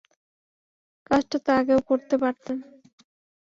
কাজটা তো আগেও করতে পারতেন।